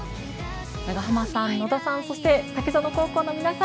長濱さん野田さんそして竹園高校の皆さん